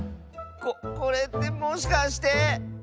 ここれってもしかして。